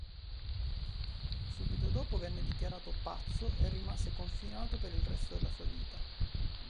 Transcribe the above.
Subito dopo venne dichiarato pazzo e rimase confinato per il resto della vita.